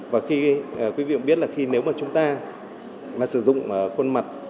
và khi quý vị cũng biết là khi nếu mà chúng ta mà sử dụng khuôn mặt